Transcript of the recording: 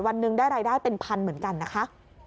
วันหนึ่งได้รายได้เป็นพันเหมือนกันนะคะ